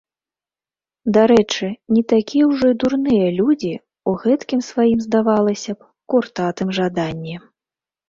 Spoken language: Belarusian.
Дарэчы, не такія ўжо і дурныя людзі ў гэткім сваім, здавалася б, куртатым жаданні.